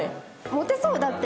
モテそうだって。